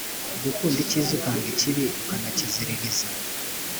gukunda ikiza ukanga ikibi ukanakiziririza.